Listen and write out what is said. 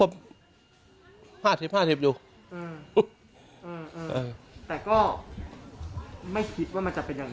แต่ก็ไม่คิดว่ามันจะเป็นอย่างนั้น